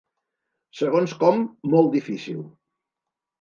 Segons com, molt difícil.